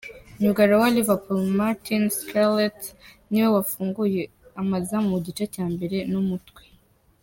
Myugariro wa Liverpool, Martin Skretel niwe wafunguye amazamu mu gice cya mbere n’umutwe.